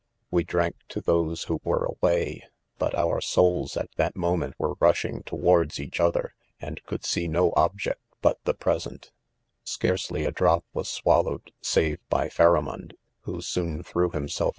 — ¥e drank to those who were^away ;~but our souls at that moment were rushing towards each other, and could see no object but the present h4 .•Scarcely a drop was swallowed save % Phara inond, who; soon threw himself